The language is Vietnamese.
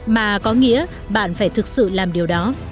mà có nghĩa bạn phải thực sự làm điều đó